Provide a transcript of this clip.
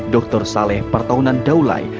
dr saleh pertahunan daulai